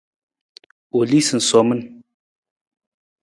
U lii sunsomin.